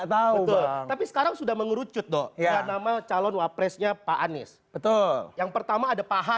betul tapi sekarang sudah mengerucut dong nama calon wapresnya pak anies betul yang pertama ada paha